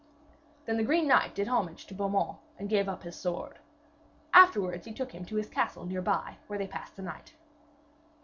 Then the green knight did homage to Beaumains and gave up his sword. Afterwards he took them to his castle near by, where they passed the night.